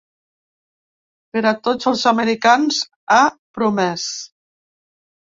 Per a tots els americans, ha promès.